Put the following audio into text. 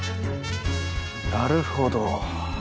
なるほど。